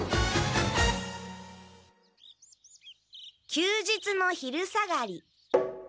休日の昼下がり。